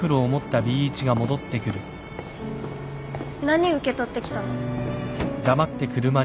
何受け取ってきたの？